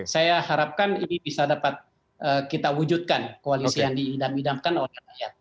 saya harapkan ini bisa dapat kita wujudkan koalisi yang diidam idamkan oleh rakyat